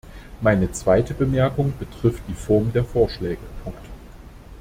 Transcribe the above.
Meine zweite Bemerkung betrifft die Form der Vorschläge.